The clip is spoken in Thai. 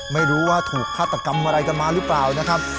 ไม่รู้ว่าถูกฆาตกรรมอะไรกันมาหรือเปล่านะครับ